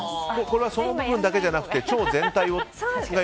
これはその部分だけじゃなくて腸全体が良くなる？